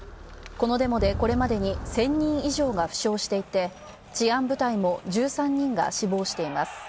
このデモで、これまでに１０００人以上が負傷していて治安部隊も１３人が死亡しています。